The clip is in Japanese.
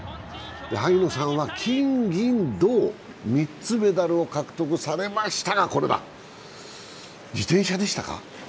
萩野さんは金・銀・銅、３つメダルを獲得されましたが自転車でしたか。